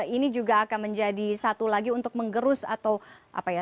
ini juga akan menjadi satu lagi untuk menggerus atau apa ya